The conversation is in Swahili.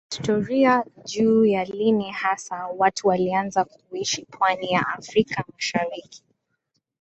Kihistoria juu ya lini hasa watu walianza kuishi pwani ya Afrika mashariki